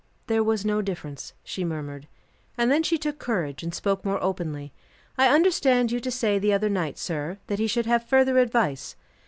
"There was no difference," she murmured, and then she took courage and spoke more openly. "I understood you to say the other night, sir, that he should have further advice."